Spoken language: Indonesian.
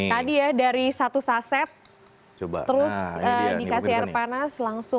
tadi ya dari satu saset terus dikasih air panas langsung